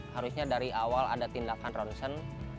harusnya dari awal ada tindakan ronsen